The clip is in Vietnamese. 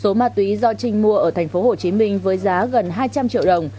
số ma túy do trinh mua ở tp hcm với giá gần hai trăm linh triệu đồng